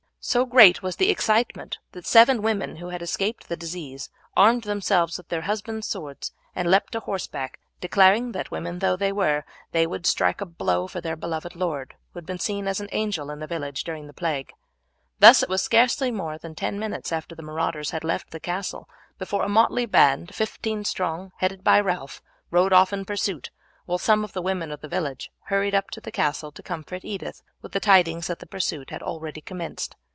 So great was the excitement that seven women who had escaped the disease armed themselves with their husbands' swords and leaped on horseback, declaring that, women though they were, they would strike a blow for their beloved lord, who had been as an angel in the village during the plague. Thus it was scarcely more than ten minutes after the marauders had left the castle before a motley band, fifteen strong, headed by Ralph, rode off in pursuit, while some of the women of the village hurried up to the castle to comfort Edith with the tidings that the pursuit had already commenced.